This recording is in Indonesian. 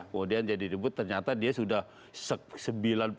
kemudian dia di debut ternyata dia sudah sembilan puluh delapan tahun